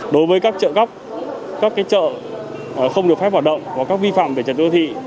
đối với các chợ cóc các cái chợ không được phép hoạt động và các vi phạm về trận đô thị